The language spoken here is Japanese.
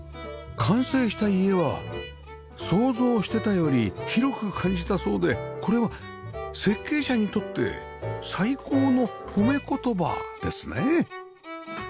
完成した家は想像してたより広く感じたそうでこれは設計者にとって最高の褒め言葉ですね